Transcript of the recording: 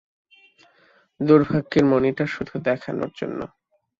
দুর্ভাগ্যের মণিটা শুধু দেখানোর জন্য।